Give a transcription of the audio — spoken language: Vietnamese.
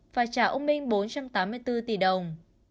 và trả ông minh bốn trăm tám mươi bốn tỷ đồng